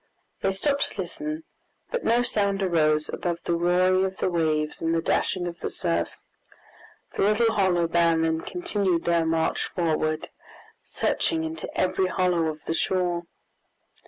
They stopped to listen, but no sound arose above the roaring of the waves and the dashing of the surf. The little band then continued their march forward, searching into every hollow of the shore.